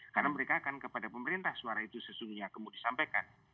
karena mereka akan kepada pemerintah suara itu sesungguhnya kamu disampaikan